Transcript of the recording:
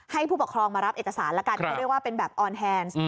ผู้ปกครองมารับเอกสารละกันเขาเรียกว่าเป็นแบบออนแฮนซ์